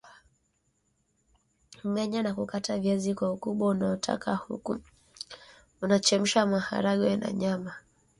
menya na kukata viazi kwa ukubwa unaotaka huku unachemsha maharage na nyama